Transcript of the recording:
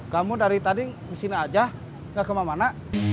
kamu dari tadi disini aja gak kemana mana